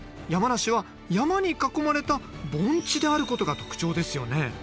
山梨は山に囲まれた盆地であることが特徴ですよね